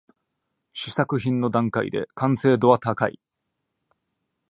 試作品の段階で完成度は高い